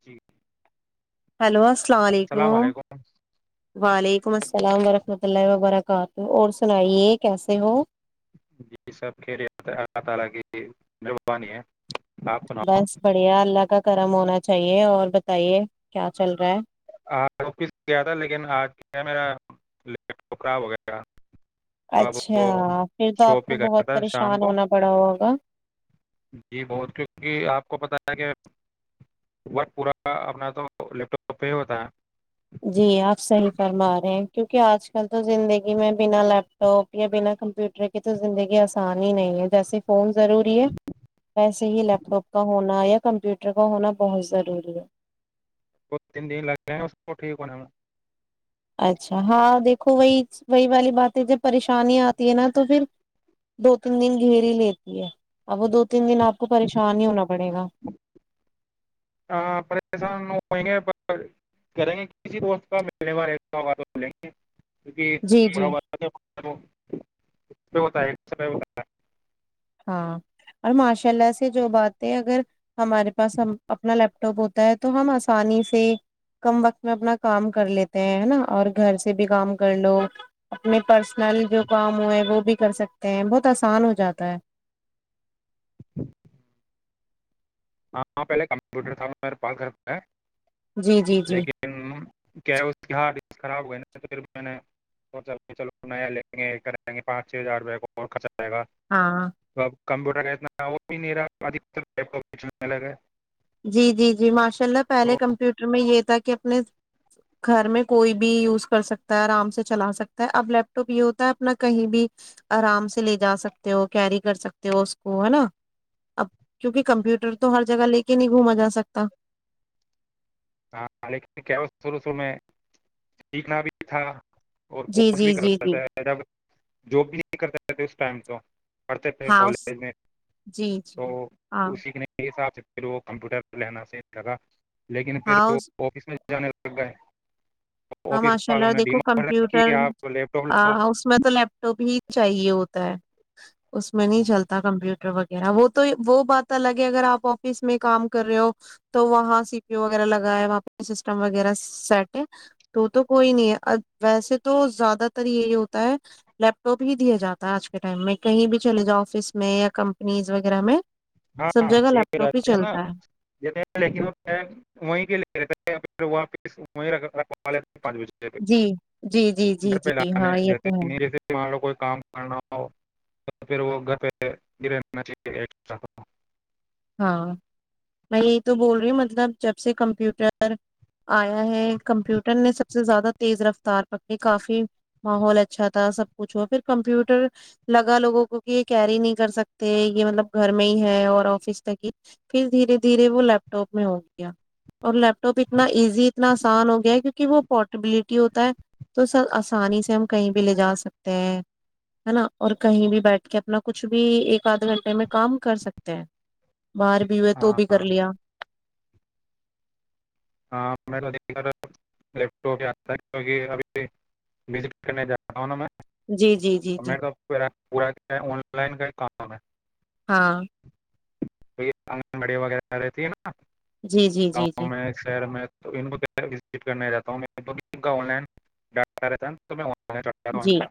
ٹھ [inaudible] سلام و رحمۃ اللہ وبرکاتہ اور سنائیے کیسے ہو [inaudible] سناؤ بس بڑھیا اللہ کا گرم ہونا چاہیے اور بتائیے کیا چل رہا ہے آ آفس گیا تھا لیکن آج کیا ہے میرا لیپ ٹاپ خراب ہو گیا گا تو آپ وہ اچھا پھر تو شو آپ کو پہ گیا بہت تھا شام پریشان کو ہونا پڑا ہوگا جی بہت کیکہ آپ کو پتا پورا اپنا تو لیپٹپ اپ ہوتا ہے جی آپ صحیح فرما رہے ہیں کیونکہ آج کل تو زندگی میں بنا لیپ ٹاپ یا بنا کمپیوٹر کے تو زندگی آسان ہی نہیں ہے جیسے فون ضروری ہے ایسے ہی لیپ ٹاپ کا ہونا ہے کمپیوٹر کا ہونا بہت ضروری ہے دو تین دن لگے ہیں اس کو ٹھیک ہونے میں اچھا ہاں دیکھو وہی وہی والی باتیں جب پریشانی آتی ہے نا تو پھر دو تین دن گھیر ہی لیتی ہے اب وہ دو تین دن آپ کو پریشان ہی ہونا پڑے گا ہاں، پریشان ہوئیں گے کریں گے کسی دوست کا ملنے میں ایسا ہوگا تو ب لیں گے جی جی کیونک ہوتا ہے ہو [unintelligible] ہاں اور ماشاء اللہ سے جو باتیں اگر ہمارے پاس ہم اپنا لیپ ٹاپ ہوتا ہے تو ہم آسانی سے کم وقت میں اپنا کام کر لیتے ہیں ہے نا اور گھر سے بھی کام کر لو اپنے پرسنل جو کام ہو ہے وہ بھی کر سکتے ہیں بہت آسان ہو جاتا ہے [unintelligible] ہاں پہل کمپیوٹر سبارے پکرپ [unintelligible] جی جی جی لیکن کیا اس کے ہار [unintelligible] خراب ہوئے ن تو پھر میں نے چ نیا لیں گے کریں گے پانچ چھ ہزار روپر [unintelligible] جائے گا ہاں اب [unintelligible] کمپیوٹر کاتنا وہ بھی میرادھ [unintelligible] کچنے لگ ہے [unintelligible] جی جی جی ماشا [unintelligible] چلا پہلے کمپیوٹر میں یہ تھا کہ [unintelligible] کہ اپنے گھر میں کوئی بھی یوز کر سکتا ہے آرام سے چلا سکتا ہے اب لیپ ٹاپ یہ ہوتا ہے اپنا کہیں بھی آرام سے لے جا سکتے ہو کیری کر سکتے ہو اس کو ہے نا اب کیونکہ کمپیوٹر تو ہر جگہ لے کے [unintelligible] کہ نہیں گھوما جا سکتا [unintelligible] ہاں لیکن کیا شرع شرو میں سیکیکنا بھی تھا [unintelligible] اور جی کورس بھی جی جی کرتا جی تھا جب [unintelligible] جو بھی نہیں کرتا رہتے اس ٹائم تو [unintelligible] پڑھتے تھے ہاؤس کالج میں جی جی تو ہاں اسی نے حساب سے [unintelligible] پھر وہ کمپیوٹر پہ لینا صح لگا ل [unintelligible] ہؤ جانے لگ گئے [unintelligible] ہاں آفس ماشاء والوں اللہ نے دیکھو ڈیمانڈ رکھی کمپیوٹر کہ آپ لیپ ٹاپ لو اس میں تو لیپٹ [unintelligible] تو بھی چاہیے ہوتا ہے [unintelligible] اس میں نہیں چلتا کمپیوٹر وغیرہ وہ تو وہ بات الگ ہے اگر آپ آفس میں کام کر رہے ہو تو وہاں سی پیو وغیرہ لگا ہے وہاں پہ سسٹم وغیرہ سیٹ ہے [unintelligible] تو تو کوئی نہیں ہے ویسے تو زیادہ تر یہ ہوتا ہے لیپ ٹاپ ہی دیا جاتا ہے آج کے ٹائم میں کہیں بھی چلے جاؤ آفس میں یا کمپنیز وغیرہ میں سب ہاںاں جگہ لیپ یہ رہ ٹاپ ہی نا چلتا ہے ل وہ لے رہتا پھر وہ پ [unintelligible] اس رو [unintelligible] پانچ بجے جی جی جی جی ڈر جی پہلانے ہاں یہ دیتے تو ہے نہیں جیسے لوگ کو [unintelligible] کام کرنا ہو تو پھر وہ گھر پہ گرے رہنا چاہیے [unintelligible] [inaudible] ہاں میں یہی تو بول رہی ہ مطلب جب سے کمپیوٹر آیا ہے کمپیوٹر نے سب سے زیادہ تیز رفتار پکڑی کافی ماحول اچھا تھا سب کچھ ہو پھر کمپیوٹر لگا لوگوں کو کہ یہ کیری نہیں کر سکتے یہ مطلب گھر میں ہی ہے اور آفس پھر دھیرے دھیرے وہ لیپ ٹاپ میں ہو گیا اور لیپ ٹاپ اتنا ایزی اتنا آسان ہو گیا ہے کیونکہ وہ پورٹیبلٹی ہوتا ہے تو سب آسانی سے ہم کہیں بھی لے جا سکتے ہیں نا اور کہیں بھی بیٹھ کے اپنا کچھ بھی ایک آدھ گھنٹے میں کام کر سکتے ہیں [unintelligible] باہر بھی ہوئے ہاں تو بھی کر ہاں لیا ہاں م لیپ ٹاپ آتا کیکہ ابھی وزٹ کرنے جا رہا ہوں نا میں جی [unintelligible] جی جی ہم جی نے تو پ پورا کیا آن لائن کا کام [unintelligible] [unintelligible] ک [unintelligible] ہاں [unintelligible] آنگن بڑی وغیرہ رہتی ہے نا [unintelligible] جی جی جی جی گاؤں میں شہر میں تو ان کو وزٹ کرنا جتا ہوں آ لائن ڈٹا رہتا تو میں [inaudible] ہوں ان جی کا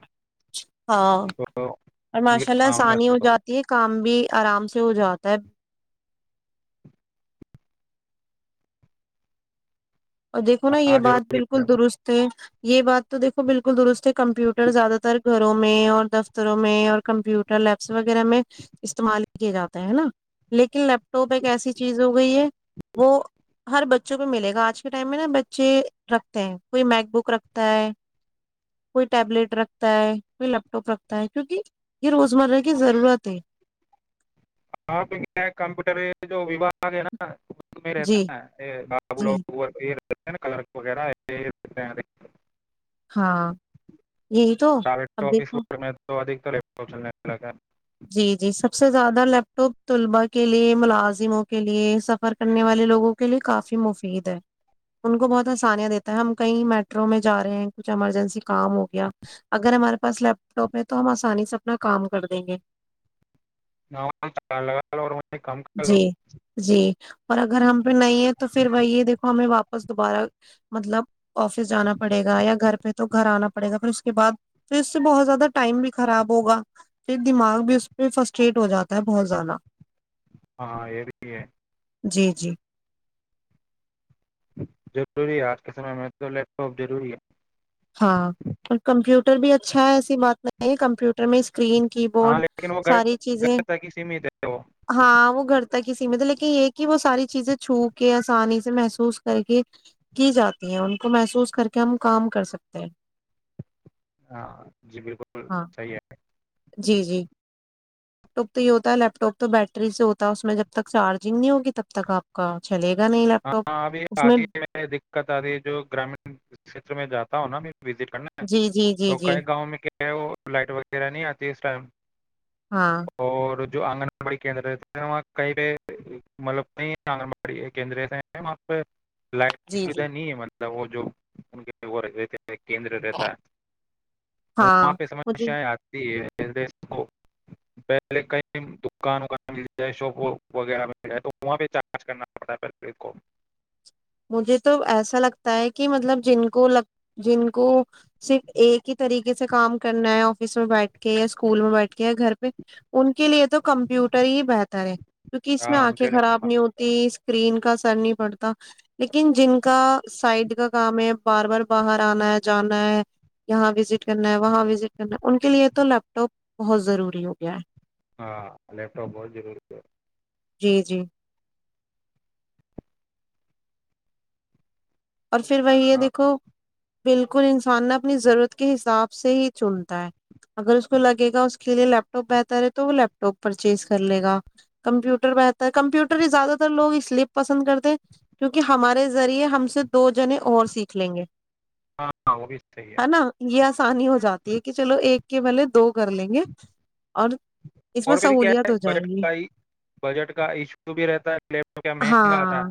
ہاں تو اور یہ ماشاء اللہ کام ہے آسانی میرا ہو تو جاتی ہے کام بھی آرام سے ہو جاتا ہے اور دیکھو نا یہ ہاں بات ضروری بالکل درست ہے یہ بات تو دیکھو بالکل درست ہے کمپیوٹر زیادہ تر گھروں میں اور دفتروں میں اور کمپیوٹر لیبس وغیرہ میں استعمال کیے جاتے ہیں ہے نا لیکن لیپ ٹاپ ایک ایسی چیز ہو گئی ہے وہ [unintelligible] ہر بچوں کو ملے گ آج ٹائم میں نا بچے رکھتے ہیں کوئی میک بک رکھتا ہے کوئی ٹیبلیٹ رکھتا ہے کوئی لیپ ٹاپ رکھتا ہے کیونکہ یہ روز مرہ کی ضرورت ہے ہاں کمپیوٹر جو وھاگ ہے نا میں رہتا جی نو جی [inaudible] تے نا کلر وغیرہ [unintelligible] ہاں یہی تو پرائیویٹ اب آفس دیکھو میں تو ادھک چلنے ہے جی جی سب سے زیادہ لیپ ٹاپ طلباء کے لیے ملازموں کے لیے سفر کرنے والے لوگوں کے لیے کافی مفید ہے ان کو بہت آسانیاں دیتا ہے ہم کہیں میٹرو میں جا رہے ہیں کچھ ایمرجنسی کام ہو گیا اگر ہمارے پاس لیپ ٹاپ ہے تو ہم آسانی سے اپنا کام کر دیں گے گ [unintelligible] جی جی اور اگر ہم پہ نہیں ہے تو پھر وہی یہ دیکھو ہمیں واپس دوبارہ مطلب آفس جانا پڑے گا یا گھر پہ تو گھر آنا پڑے گا پھر اس کے بعد پھر اس سے بہت زیادہ ٹائم بھی خراب ہوگا پھر دماغ بھی اس پہ فسٹریٹ ہو جاتا ہے بہت زیادہ ہاں یہ رہ ہے جی جی ضروری ہے آج کے سمے میں تو لیپ ٹاپ ضروری ہے ہاں اور کمپیوٹر بھی اچھا ہے ایسی بات نہیں کمپیوٹر میں اسکرین کی ہاں بورڈ لیکن وہ گھر ساری چیزیں گھر تک ہی سیمت ہے وہ ہاں وہ گھر تک سیمت ہے لیکن یہ کہ وہ ساری چیزیں چھو کے آسانی سے محسوس کر کے کی جاتی ہے ان کو محسوس کر کے ہم کام کر سکتے تو ہاں جی بالکل ہاں صحیح ہے جی جی لیپ ٹاپ تو یہ ہوتا ہے لیپ ٹاپ تو بیٹری سے ہوتا ہے اس میں جب تک چارجنگ نہیں ہوگی تب تک آپ کا چلے گا نہیں لیپ ٹاپ ہاں ابھی اس میں آتی ہے دقت آتی ہے جو گرامین کھیتر میں جاتا تو ہونا وزٹ کرنا جی جی جی تو جی کئی گاؤوں میں کیا وہ لائٹ وغیرہ نہیں آتی اس ٹائم ہاں اور جو آنگن واڑی کیندرتے وہاں کہیں پہ مطلب کہیں آنگن واڑی کیندری لائٹ کی جی جی سویدھا نہیں ہے ہماراری وہ جو ان کے وہ رہ گئے تھے کیندر رہتا ہے ہاں وہاں پہ مجھے سمسیا آتی ہے پہلے کہیں دکان وغیرہ مل جائے شاپ وغیرہ مل جائے تو وہاں پہ چارج کرنا ہٹ کر ریکم مجھے تو ایسا لگتا ہے کہ مطلب جن کو لگ جن کو صرف ایک ہی طریقے سے کام کرنا ہے آفس میں بیٹھ کے یا اسکول میں بیٹھ کے یا گھر پہ ان کے لیے تو کمپیوٹر ہی بہتر ہے کیونک اس میں ہاں ان آنکھیں کے خراب نہیں ہوتی اسکرین کا سرنی پڑتا لیکن جن کا سائڈ کا کام ہے بار بار باہر آنا ہے جانا ہے یہاں وزٹ کرنا ہے وہاں وزٹ کرنا ہے ان کے لیے تو لیپ ٹاپ بہت ضروری ہو گیا ہے ہاں لیپٹاپ بہت جرور ہے جی جی اور پھر وہی ہے ہاں دیکھو بالکل انسان نے اپنی ضرورت کے حساب سے ہی چنتا ہے اگر اس کو لگے گا اس کے لیے لیپٹاپ بہتر ہے تو وہ لیپ ٹاپ پرچیز کر لے گا کمپیوٹر بہتر کمپیوٹر ہی زیادہ تر لوگ اس لیے پسند کرتے ہیں کیونکہ ہمارے ذریعے ہم سے دو جنے اور سیکھ لیں گے ہاں ہاں وہ بھی صحیح ہے نا یہ آسانی ہو جاتی ہے کہ چلو ایک کے بلے دو کر لیں گے اور اس میں اور پھر کیا سہولت ہے ہو جائے بجٹ گی کا ہی بجٹ کا ایشو بھی رہتا ہے لیپ ٹاپ کیا مہنگا آتا ہاں ہے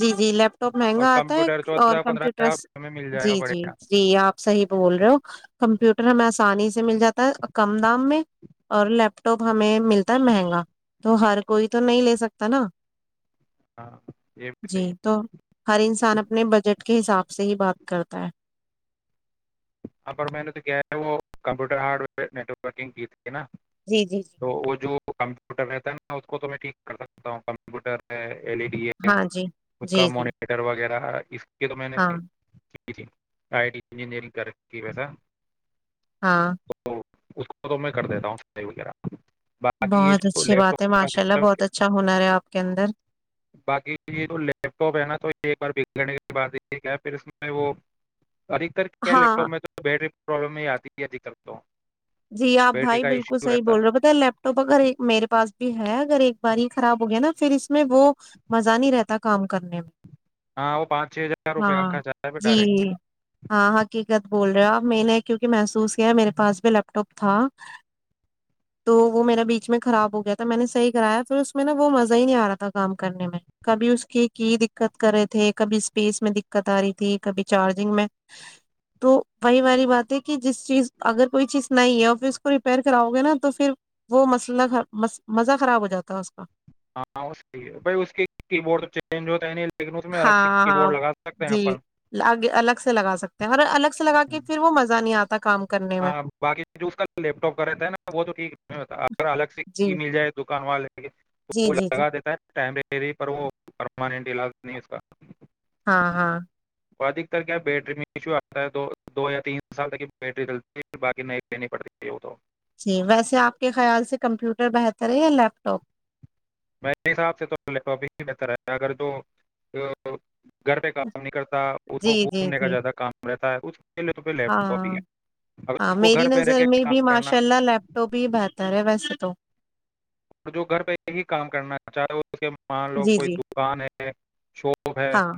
جی جی لیپ ٹاپ اور مہنگا آتا ہے کمپیوٹر اور چودہ پندرہ کمپیوٹر ہزار میں مل جائے گا جی بڑے جی گا جی آپ صحیح بول رہے ہو کمپیوٹر ہمیں ایس پانی سے مل جاتا ہے کم دام میں اور لیپ ٹاپ ہمیں ملتا ہے مہنگا تو ہر کوئی تو نہیں لے سکتا نا ہاں یہ بھی صحیح جی ہے تو ہر انسان اپ بجٹ کے حساب سے ہی بات کرتا ہے ہاں پر میں نے تو کیا ہے وہ computer hardware networking کی تھی نا جی جی جی تو وہ جو ک کمپیوٹر رہتا ہے نا اس کو تو میں ٹھیک کر سکتا ہوں کمپیوٹر ہے ایل ای ڈی ہے ہاں جی اس کا جی جی موانیٹر وغیرہ اس یہ تو میں نے ہاں ج آئیٹی انجینئرنگ کر کی ویسا ہاں تو اس کو تو میں کر دیتا ہوں صائی وغیرہ باقی یہ بہت جو اچھی لیپ بات ہے ٹاپ کا ماشاء اللہ بہت سسٹم اچھا ہنر ہے آپ کے اندر باقی یہ جو لیپ ٹاپ ہے نا تو ایک بار بک لینے کے بعد ہے پھر اس میں وہ ادکتر کیا لیپ ٹاپ ہاں میں تو بیٹری پرابلم ہی آتی د کرل تو جی آپ بھائی بالکل صحی بول رہے ہو پت لیپ ٹاپ پر گھر میرے پاس بھی ہے اگر ایک بار خراب ہو گیا نا پھر اس میں وہ مزہ نہیں رہتا کام کرنے میں ہاں وہ پانچ چھ ہزار روپئے کا ہاں خرچ آ پ جی ڈائریکٹ ہاں حقیقت بول رہے ہو اب میں نے کیکہ محسوس کیا ہے میرے پس بھی لگ لی ٹاپ تھا تو وہ میرے بیچ میں خراب ہو گیا تھا میں نے صحیح کرایا پھر اس میں نا وہ مزہ ہی نہیں آ رہا تھا کام کرنے میں کبھی اس کی کی دقت کر رہے تھے کبھی اسپیس میں دقت آ رہی تھی کبھی چارجنگ میں تو وہی والی بات ہے کہ جس چیز اگر کوئی چیز نہیں ہے ا پھر اس کو ریپیئر کراؤ گے نا تو پھر وہ مسئلہ مزہ خراب ہو جاتا ہے اس کا ہاں اس بھائی اس کے کی بورڈ چینج ہوتا ہے نہیں لیکن اس میں الگ سے ہاں کی ہاں بورڈ لگا سکتے ہیں اپن جیگ الگ سے لگا سکتے ہیں اور الگ سے لگا کے پھر وہ مزہ نہیں آتا کام کرنے میں ہاں باقی جو اس کا لیپ ٹاپ کا رہتا ہے نا وہ تو ٹھیک اگر الگ سے جی کی مل جائے تو ک والے [inaudible] جی وہ جی جی لگا دیتا ہے ٹم پر وہ مانینٹ علاج نہیں اس کا ہاں ہاں ادکتر کیا بیٹری میں ایشو آتا ہے دو دو یا تین سال تک یہ بیٹری چل باقی نہیں ل پڑتی تو جی ویسے آپ کے خیال سے کمپیوٹر بہتر ہے یا لیپ ٹاپ میںے حساب سے تو لیپٹاپ ہی بہتر ہے اگر جو گھر پہ کام نہیں کرتا اس جی کو جی گھومنے کا جی جاتدا کام رہتا ہے کچھ ہاں ہاں اس کو میری گھر پہ رہ نظر کے میں بھی کام کرنا ماشاء اللہ لیپ ٹاپ ہی بہتر ہے ویسے تو اور جو گھر پہ یہی کام کرنا چاہے مان لو جی کوئی جی دکان ہے شو ہاں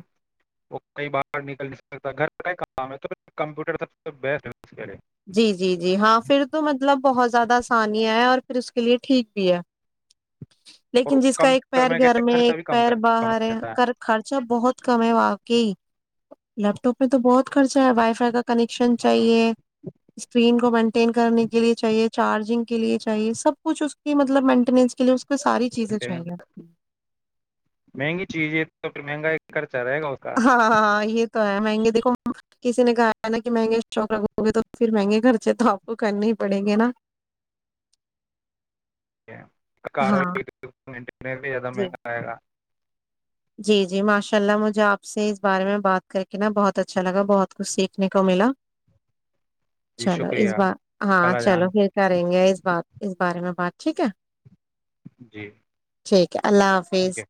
وہ کئی باہر نکل سکتا گھر کا ہی کام ہے تو کمپیوٹر سب سے بیسٹ ہے جی جی جی ہاں پھر تو مطلب بہت زیادہ آسان ہے اور پھر اس کے لیئے ٹھیک بھی ہے اور لیکن جس کا ایک کمپیوٹر پیر گھر کیا میں خرچہ ایک بھی کم پیر کم باہر ہے رہتا خرچہ بہت کم ہے واقعی لیپ ٹاپ پہ تو بہت خرچہ ہے وائی فائی کا کنیکشن چاہیے اسکرین کو مینٹین کرنے کے لیے چاہیے چارجنگ کے لیے چاہیے سب کچھ اس کی مطلب مینٹیننس کے لیے اس کو ساری چیزیں ہے چاہیئیں منگائی کر چرگوکا یہ تو مہنگے دیکھو کسی نے کہا ہے نا کہ مہنگے شوق لگؤ گے تو پھر مہنگے خرچے تو آپ کو کرنے ہی پڑیں گے نا ہاں زیادہ جی مہنگا آئے گا جی جی ماشاء اللہ مجھے آپ سے اس بارے میں بات کر کے نا بہت اچھا لگا بہت کچھ سیکھنے کو ملا جی چلو اس شکریہ بار ہاں خالا چلو جان پھر کریں گے اس بار اس بارے میں ہاں ٹھیک ہے جی ٹھیک ہے اللہ حافظ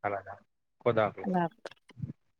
اللہ با